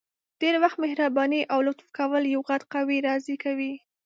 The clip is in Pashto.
ډير وخت مهرباني او لطف کول یو غټ قوت راضي کوي!